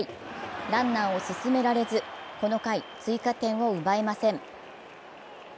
ランナーを進められず、この回追加点を奪えません。